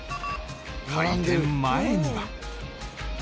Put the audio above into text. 開店前には